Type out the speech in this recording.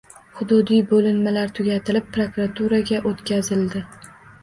Hududiy bo'linmalari tugatilib, prokuraturaga o'tkazildi